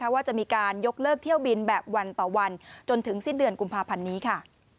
ว่าจะมีการยกเลิกเที่ยวบินแบบวันต่อวันจนถึงสิ้นเดือนกุมภาพันธ์นี้ค่ะ